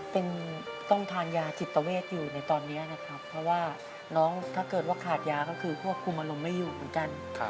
เป็นต้องทานยาจิตเวทอยู่ในตอนนี้นะครับเพราะว่าน้องถ้าเกิดว่าขาดยาก็คือควบคุมอารมณ์ไม่อยู่เหมือนกัน